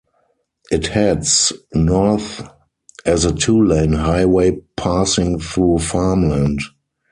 It heads north as a two-lane highway passing through farmland.